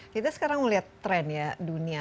kita sekarang melihat tren ya dunia